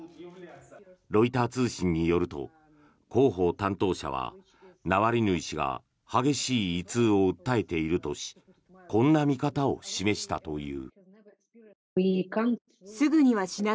ロイター通信によると広報担当者はナワリヌイ氏が激しい胃痛を訴えているとしこんな見方を示したという。